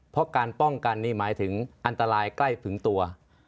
เพราะการป้องกันนี่หมายถึงอันตรายใกล้ถึงตัว